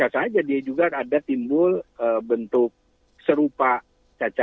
atau juga bisa saja dia juga ada timbul bentuk serupa cacar airnya